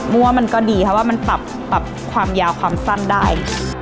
มันก็ดีเพราะว่ามันปรับความยาวความสั้นได้